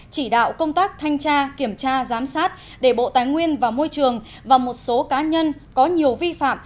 chỉ đạo công tác thanh tra kiểm tra giám sát để bộ tài nguyên và môi trường và một số cá nhân có nhiều vi phạm